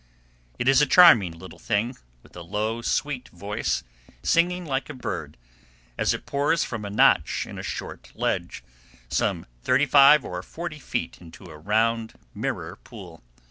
It is a charming little thing, with a low, sweet voice, singing like a bird, as it pours from a notch in a short ledge, some thirty five or forty feet into a round mirror pool.